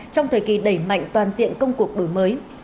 trong thời kỳ đẩy mạnh toàn diện công cuộc đổi mới